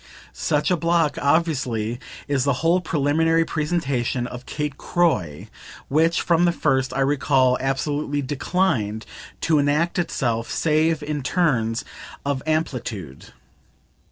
Such a block, obviously, is the whole preliminary presentation of Kate Croy, which, from the first, I recall, absolutely declined to enact itself save in terms of amplitude.